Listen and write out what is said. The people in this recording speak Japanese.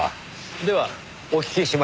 ではお聞きしましょう。